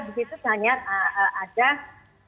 di situ hanya ada